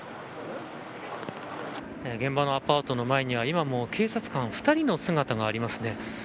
現場のアパートの前には今も警察官２人の姿がありますね。